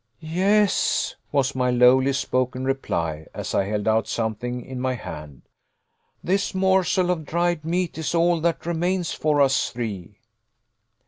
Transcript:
"Yes," was my lowly spoken reply, as I held out something in my hand, "this morsel of dried meat is all that remains for us three."